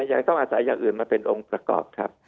ยังต้องอาศัยอย่างอื่นมาเป็นองค์ประกอบครับ